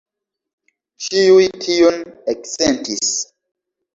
Ĉiuj tion eksentis.